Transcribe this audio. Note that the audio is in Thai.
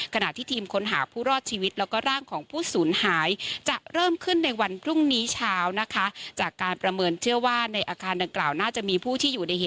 ขณะที่ทีมค้นหาผู้รอดชีวิต